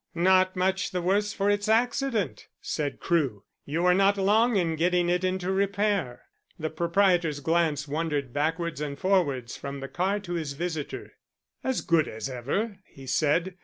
"Not much the worse for its accident," said Crewe. "You were not long in getting it into repair." The proprietor's glance wandered backwards and forwards from the car to his visitor. "As good as ever," he said.